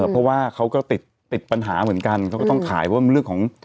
เพราะว่าเขาก็ติดติดปัญหาเหมือนกันเขาก็ต้องขายเพราะมันเรื่องของ